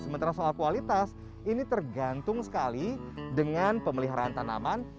sementara soal kualitas ini tergantung sekali dengan pemeliharaan tanaman